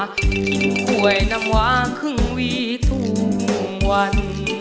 ถ้วยน้ำวาครึ่งวีทุกวัน